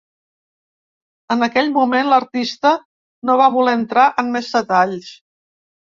En aquell moment l’artista no va voler entrar en més detalls.